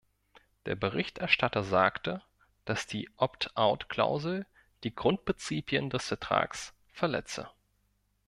Der Berichterstatter sagte, dass die Opt-out-Klausel die Grundprinzipien des Vertrags verletze.